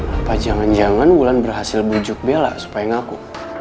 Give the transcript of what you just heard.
apa jangan jangan wulan berhasil bujuk bela supaya ngaku